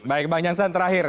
baik bang jansan terakhir